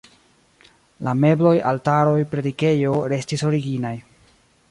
La mebloj, altaroj, predikejo restis originaj.